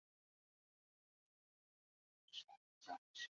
狄志远曾是汇点成员。